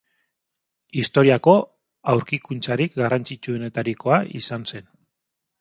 Historiako aurkikuntzarik garrantzitsuenetarikoa izan zen.